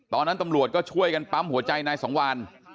ตอนนั้นตำรวจก็ช่วยกันปั๊มหัวใจนายสังวาน